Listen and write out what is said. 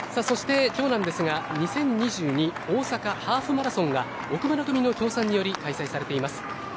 そして、きょうなんですが２０２２大阪ハーフマラソンが奥村組の協賛により開催されています。